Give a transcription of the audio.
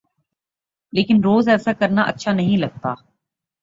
لیکن روز ایسا کرنا اچھا نہیں لگتا۔